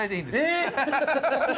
えっ！？